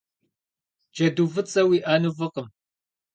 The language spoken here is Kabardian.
Джэду фӏыцӏэ уиӏэну фӏыкъым.